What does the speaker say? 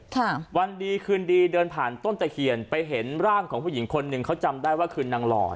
วันดีคืนดีเดินผ่านต้นตะเคียนไปเห็นร่างของผู้หญิงคนหนึ่งเขาจำได้ว่าคือนางหลอด